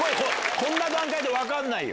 こんな段階で分かんないよ。